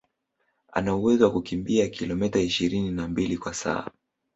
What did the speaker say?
Ana uwezo wa kukimbia kilometa ishirini na mbili kwa saa